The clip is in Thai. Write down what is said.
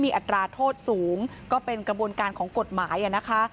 อัตราโทษสูงก็เป็นกระบวนการของกฎหมายนะคะ